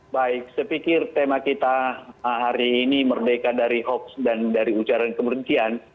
baik saya pikir tema kita hari ini merdeka dari hoax dan dari ujaran keberhentian